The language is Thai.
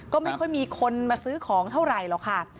ก็ไม่ค่อยมีคนมาซื้อของเท่าไหร่หรอกค่ะ